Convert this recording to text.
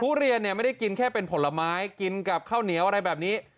ทุเรียนเนี่ยไม่ได้กินแค่เป็นผลไม้กินกับข้าวเหนียวอะไรแบบนี้